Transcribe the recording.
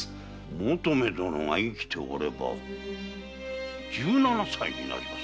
求馬殿が生きておれば十七歳になりますな。